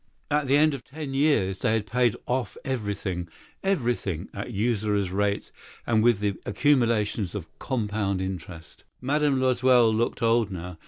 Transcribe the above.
At the end of ten years they had paid everything, everything, with the rates of usury and the accumulations of the compound interest. Madame Loisel looked old now.